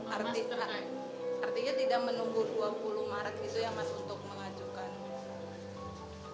artinya tidak menunggu dua puluh maret gitu ya mas untuk mengajukan